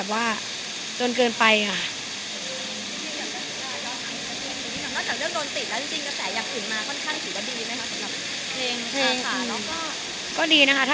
เมื่ออย่างเกิดจากฝ้ายเล่าให้จะดู